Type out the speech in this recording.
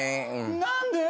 何で？